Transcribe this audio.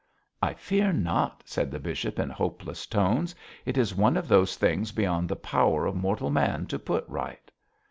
'I fear not,' said the bishop, in hopeless tones. 'It is one of those things beyond the power of mortal man to put right.'